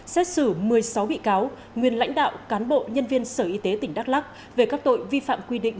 xét xử một mươi sáu bị cáo nguyên lãnh đạo cán bộ nhân viên sở y tế tỉnh đắk lắc về các tội vi phạm quy định